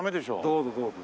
どうぞどうぞ。